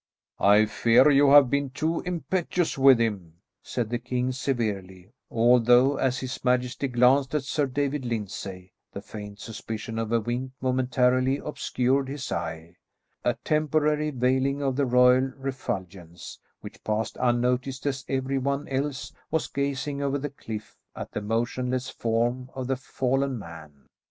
"I fear you have been too impetuous with him," said the king severely, although as his majesty glanced at Sir David Lyndsay the faint suspicion of a wink momentarily obscured his eye, a temporary veiling of the royal refulgence, which passed unnoticed as every one else was gazing over the cliff at the motionless form of the fallen man.